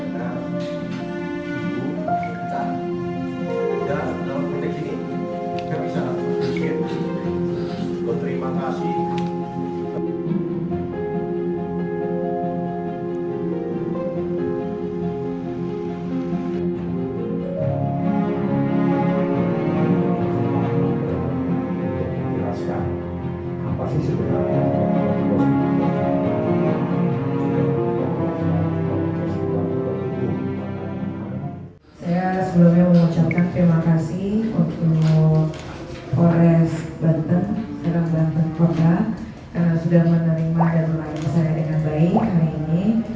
dan penuh kota karena sudah menerima dan melayani saya dengan baik hari ini